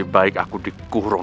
baik ganjeng sunan